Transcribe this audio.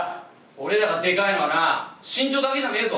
俺らがでかいのはな身長だけじゃねえぞ！